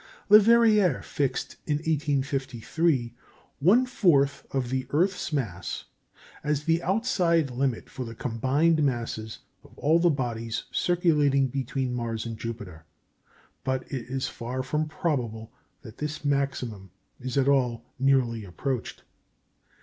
Leverrier fixed, in 1853, one fourth of the earth's mass as the outside limit for the combined masses of all the bodies circulating between Mars and Jupiter; but it is far from probable that this maximum is at all nearly approached.